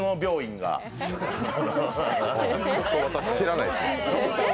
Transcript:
ちょっと私、知らないですね